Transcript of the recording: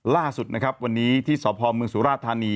ล่าสุดวันนี้ที่แลนด์สภพเมืองสุราธิภาล